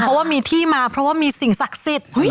เพราะว่ามีที่มาเพราะว่ามีสิ่งศักดิ์สิทธิ์